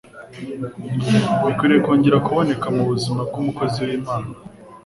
bikwiriye kongera kuboneka mu buzima bw'umukozi w'Imana.